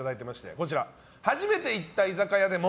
こちら。